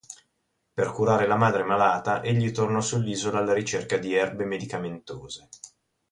Per curare la madre malata egli tornò sull'isola alla ricerca di erbe medicamentose.